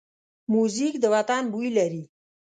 موزیک د وطن بوی لري.